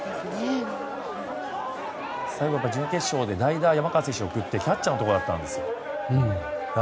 最後、準決勝で代打・山川選手を送ってキャッチャーのところだったので。